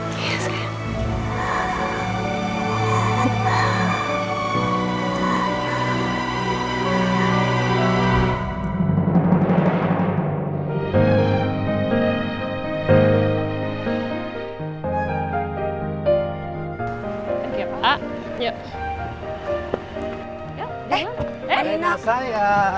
kalau masih pe thursday